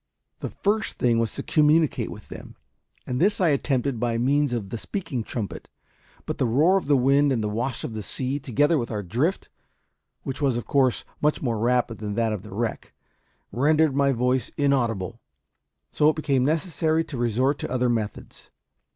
The first thing was to communicate with them; and this I first attempted by means of the speaking trumpet. But the roar of the wind and the wash of the sea, together with our drift which was, of course, much more rapid than that of the wreck rendered my voice inaudible; so it became necessary to resort to other methods.